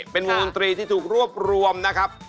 เป็นวงดนตรีที่ถูกรวบรวมนะครับ